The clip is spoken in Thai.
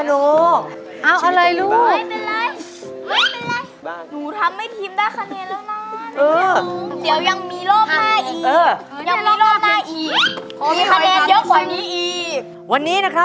เด็กอ้อมเพื่อนละครทีนี้เป็นฝ่ายชนะค่ะ